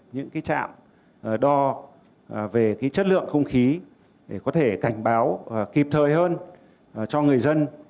những trạm đo về chất lượng không khí để có thể cảnh báo kịp thời hơn cho người dân